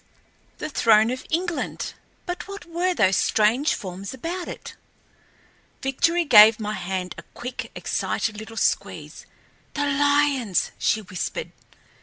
The throne of England! But what were those strange forms about it? Victory gave my hand a quick, excited little squeeze. "The lions!" she whispered.